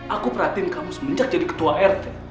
aku perhatiin kamu semenjak jadi ketua rt